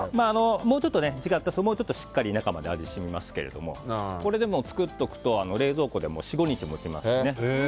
もうちょっと時間が経つとしっかり中まで味が染みますがこれでも作っておくと冷蔵庫で４５日持ちますし。